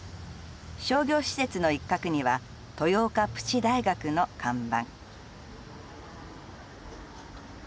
商業施設の一角には「豊岡プチ大学」の看板。